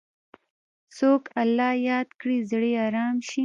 څوک الله یاد کړي، زړه یې ارام شي.